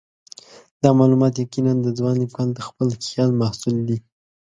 دا معلومات یقیناً د ځوان لیکوال د خپل خیال محصول دي.